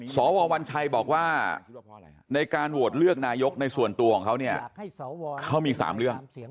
สววัญชัยบอกว่าในการโหวตเลือกนายกในส่วนตัวของเขาเนี่ยเขามี๓เรื่อง